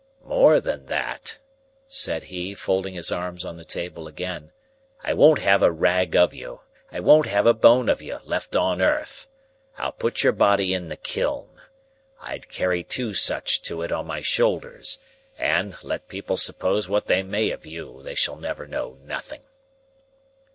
"More than that," said he, folding his arms on the table again, "I won't have a rag of you, I won't have a bone of you, left on earth. I'll put your body in the kiln,—I'd carry two such to it, on my shoulders—and, let people suppose what they may of you, they shall never know nothing."